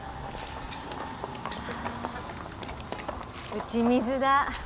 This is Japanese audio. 打ち水だ。